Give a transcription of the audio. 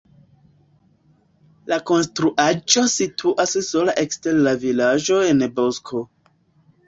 La konstruaĵo situas sola ekster la vilaĝo en bosko.